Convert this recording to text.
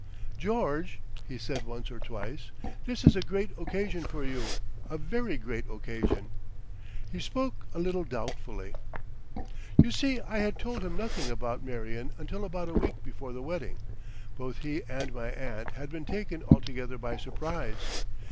"George" he said once or twice, "this is a great occasion for you—a very great occasion." He spoke a little doubtfully. You see I had told him nothing about Marion until about a week before the wedding; both he and my aunt had been taken altogether by surprise.